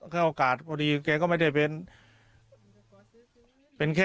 เท่าโอกาสพอดีแกก็ไม่ได้เป็น